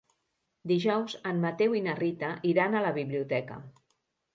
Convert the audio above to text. Dijous en Mateu i na Rita iran a la biblioteca.